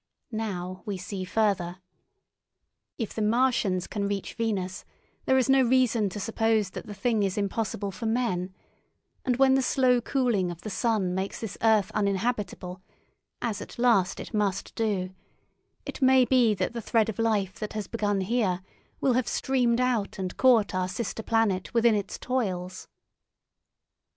Now we see further. If the Martians can reach Venus, there is no reason to suppose that the thing is impossible for men, and when the slow cooling of the sun makes this earth uninhabitable, as at last it must do, it may be that the thread of life that has begun here will have streamed out and caught our sister planet within its toils.